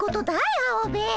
アオベエ。